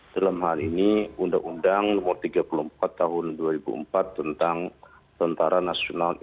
dalam hal ini undang undang nomor tiga puluh empat tahun dua ribu empat tentang tentara nasional